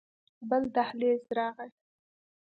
بل دهليز راغى.